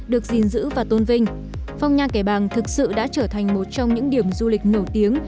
được gìn giữ và tôn vinh phong nha kẻ bàng thực sự đã trở thành một trong những điểm du lịch nổi tiếng